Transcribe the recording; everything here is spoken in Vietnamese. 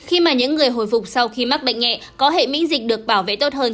khi mà những người hồi phục sau khi mắc bệnh nhẹ có hệ miễn dịch được bảo vệ tốt hơn